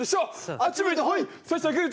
あっち向いてホイ。